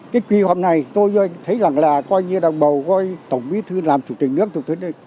cái kỳ hợp này tôi thấy rằng là coi như đồng bầu coi tổng bí thư làm chủ trình nước